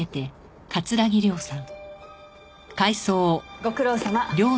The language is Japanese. ご苦労さま。